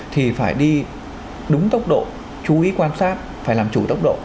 thì phải đi đúng tốc độ chú ý quan sát phải làm chủ tốc độ